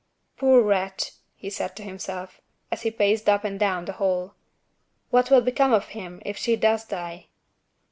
"Poor wretch!" he said to himself, as he paced up and down the hall, "what will become of him, if she does die?"